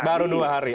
baru dua hari